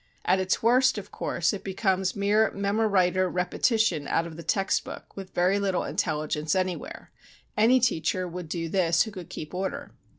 At its worst, of course, it becomes mere memoriter repetition out of the text book with very little intelligence anywhere; any teacher would do this who could keep order.